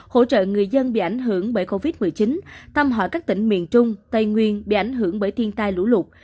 hỗ trợ người dân bị ảnh hưởng bởi covid một mươi chín thăm hỏi các tỉnh miền trung tây nguyên bị ảnh hưởng bởi thiên tai lũ lụt